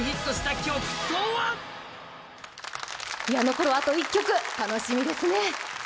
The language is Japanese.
残るはあと１曲楽しみですね。